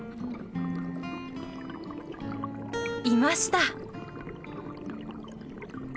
いました。